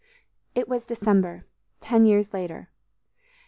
It was December, ten years later.